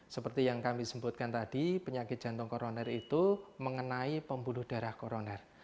seperti yang kami sebutkan tadi penyakit jantung koroner itu mengenai pembuluh darah koroner